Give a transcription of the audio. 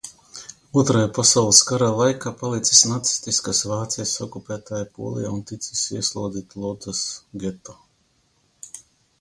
Otrā pasaules kara laikā palicis nacistiskās Vācijas okupētajā Polijā un ticis ieslodzīts Lodzas geto.